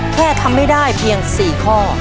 แค่ทำให้ได้เพียง๔ข้อ